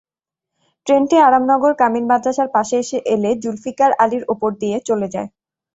ট্রেনটি আরামনগর কামিল মাদ্রাসার পাশে এলে জুলফিকার আলীর ওপর দিয়ে চলে যায়।